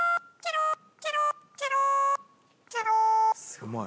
すごい。